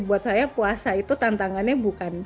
buat saya puasa itu tantangannya bukan